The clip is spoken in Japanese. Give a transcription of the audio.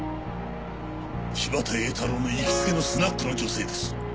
柴田英太郎の行きつけのスナックの女性です。